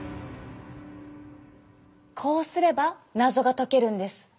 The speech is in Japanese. こうすれば謎が解けるんです！